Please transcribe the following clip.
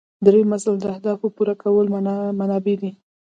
دریم اصل د اهدافو پوره کولو منابع دي.